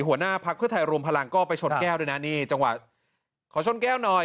หัวหน้าพักเพื่อไทยรวมพลังก็ไปชนแก้วด้วยนะนี่จังหวะขอชนแก้วหน่อย